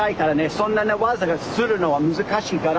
そんなに技をするのは難しいから。